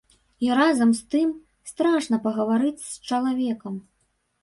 І разам з тым страшна пагаварыць з чалавекам.